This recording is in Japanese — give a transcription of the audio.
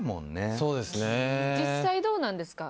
実際どうなんですか。